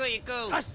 よし！